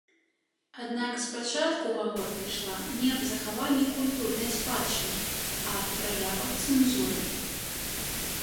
Аднак спачатку гаворка ішла не аб захаванні культурнай спадчыны, а аб праявах цэнзуры.